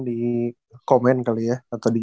di komen kali ya atau di